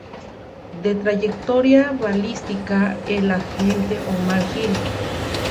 De trayectoria balística, el agente Omar Gil.